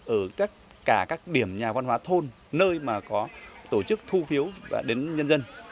ở tất cả các điểm nhà văn hóa thôn nơi mà có tổ chức thu phiếu đến nhân dân